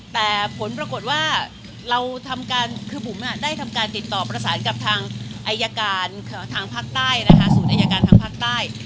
แต่ผมได้ทำการติดต่อประสานต์กับสูตรไอ้ยการทางภักด์ใต้